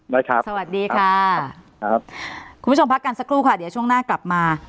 นะครับสวัสดีค่ะครับคุณผู้ชมพักกันสักครู่ค่ะเดี๋ยวช่วงหน้ากลับมา